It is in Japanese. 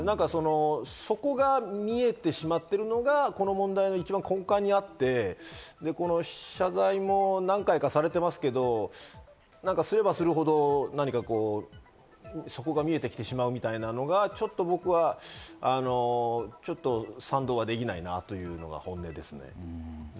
底が見えてしまっているのがこの問題の一番根幹にあって、謝罪も何回かされてますけど、すればするほど、何か底が見えてきてしまうみたいなのが僕はちょっと賛同はできないなというのが本音ですね。